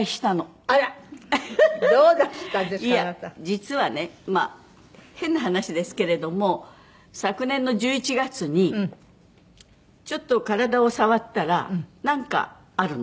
実はね変な話ですけれども昨年の１１月にちょっと体を触ったらなんかあるの。